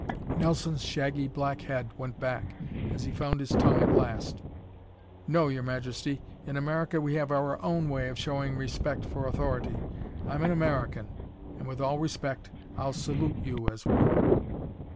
Nelson's shaggy black head went back as he found his tongue at last. "No, Your Majesty. In America we have our own way of showing respect for authority. I'm an American and, with all respect, I'll salute you as one."